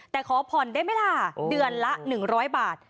แต่ขอผ่อนได้ไหมล่ะเดือนละ๑๐๐บาท